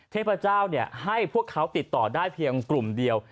เทพเจ้าให้พวกเขาติดต่อได้เพียงกลุ่มเดียว